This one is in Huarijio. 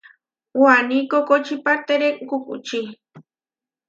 Waní kokočípatere kukuči.